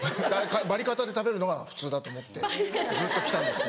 バリカタで食べるのが普通だと思ってずっと来たんです。